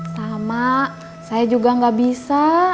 sama saya juga nggak bisa